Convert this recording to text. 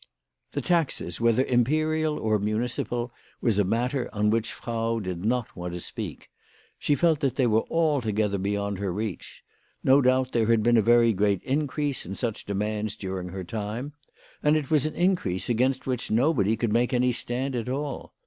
The taxes, whether imperial or municipal, was a matter on which Frau did not want to speak. She felt that they were altogether beyond her reach. No doubt there had been a very great increase in such demands during her time, and it was an increase against which nobody could make any stand at all.